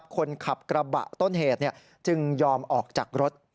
คนขับกระบะต้นเหตุจึงยอมออกจากรถ